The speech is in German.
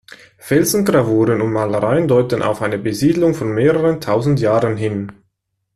Felsgravuren und Malereien deuten auf eine Besiedelung von mehreren tausend Jahren hin.